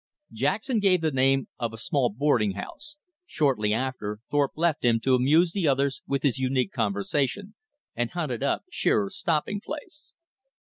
Jackson gave the name of a small boarding house. Shortly after, Thorpe left him to amuse the others with his unique conversation, and hunted up Shearer's stopping place.